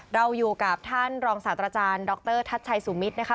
เราอยู่กับท่านรองศาสตราจารย์ดรทัชชัยสุมิตรนะคะ